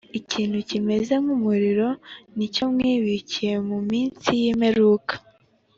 ikintu kimeze nk umuriro g ni cyo mwibikiye mu minsi y imperuka